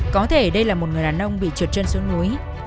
có thể đây là một người đàn ông bị trượt chân xuống núi